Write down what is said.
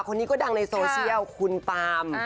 คนนี้ก็ดังในโซเชียลคุณปาม